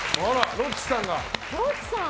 ロッチさんが。